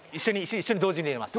一緒に同時に入れます。